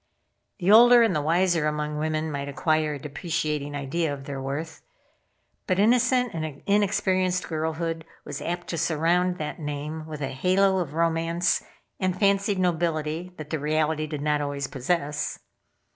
The older and the wiser among women might acquire a depreciating idea of their worth, but innocent and inexperienced girlhood was apt to surround that name with a halo of romance and fancied nobility that the reality did not always possess.